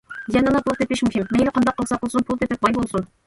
يەنىلا پۇل تېپىش مۇھىم، مەيلى قانداق قىلسا قىلسۇن، پۇل تېپىپ باي بولسۇن.